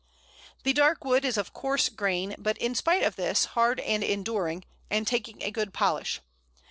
The dark wood is of coarse grain; but, in spite of this, hard and enduring, and taking a good polish.